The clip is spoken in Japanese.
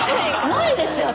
ないですよ